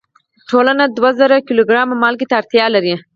ټولنه دوه زره کیلو ګرامه مالګې ته اړتیا لري.